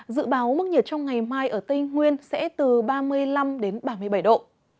dự báo mức nhiệt trong ngày mai ở tây nguyên sẽ từ ba mươi năm đến ba mươi bảy độ